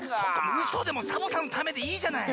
うそでもサボさんのためでいいじゃない。